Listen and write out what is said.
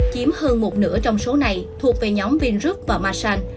chiếm hơn một nửa trong số này thuộc về nhóm vingroup và masan